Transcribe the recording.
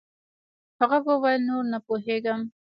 هغه وويل نور نه پوهېږم.